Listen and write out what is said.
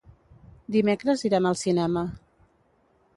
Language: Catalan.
Dimecres irem al cinema.